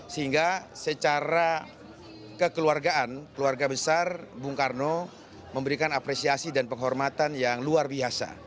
sehingga secara kekeluargaan keluarga besar bung karno memberikan apresiasi dan penghormatan yang luar biasa